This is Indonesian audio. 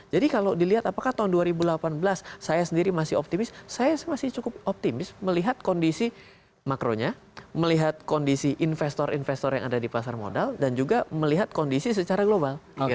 jadi kalau dilihat apakah tahun dua ribu delapan belas saya sendiri masih optimis saya masih cukup optimis melihat kondisi makronya melihat kondisi investor investor yang ada di pasar modal dan juga melihat kondisi secara global